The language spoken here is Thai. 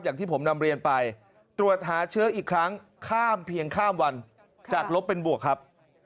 อย่างที่ผมนำเรียนไปตรวจหาเชื้ออีกครั้งข้ามเพียงข้ามวันจากลบเป็นบวกครับ